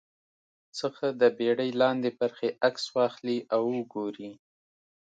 څخه د بېړۍ لاندې برخې عکس واخلي او وګوري